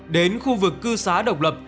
đến khu vực cư xá độc lập